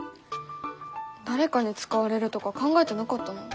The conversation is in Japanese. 誰かに使われるとか考えてなかったな。